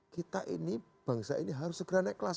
kita ini bangsa ini harus segera naik kelas